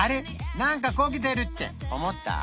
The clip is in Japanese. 何か焦げてる」って思った？